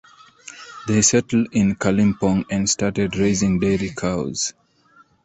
They settled in Kalimpong and started raising dairy cows.